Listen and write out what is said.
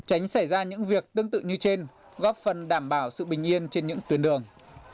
tránh xảy ra những việc tương tự như trên góp phần đảm bảo sự bình yên trên những tuyến đường